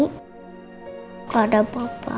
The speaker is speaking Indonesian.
kok ada papa